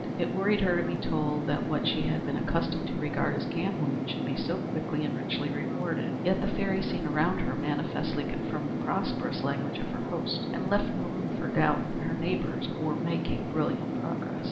It worried her to be told that what she had been accustomed to regard as gambling should be so quickly and richly rewarded. Yet the fairy scene around her manifestly confirmed the prosperous language of her host and left no room for doubt that her neighbors were making brilliant progress.